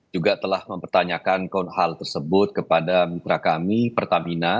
juga telah mempertanyakan hal tersebut kepada mitra kami pertamina